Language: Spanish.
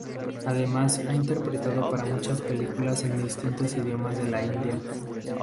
Además ha interpretado para muchas películas en distintos idiomas de la India.